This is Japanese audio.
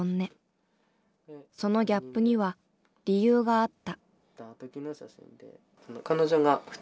そのギャップには理由があった。